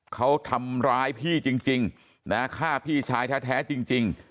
เขาทำร้ายพี่จริงนะฆ่าพี่ชายแท้จริง